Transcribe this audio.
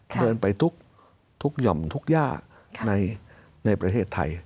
เดินไปทุกหย่อมทุกย่าในประเทศไทย